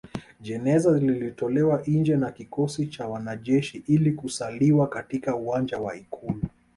Jeneza lilitolewa nje na kikosi cha wanajeshi ili kusaliwa katika uwanja wa Ikulu